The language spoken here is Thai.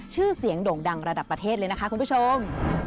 ชื่อเสียงโด่งดังระดับประเทศเลยนะคะคุณผู้ชม